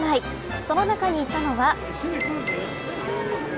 その中にいたのは。